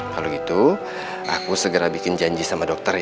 kalau gitu aku segera bikin janji sama dokter ya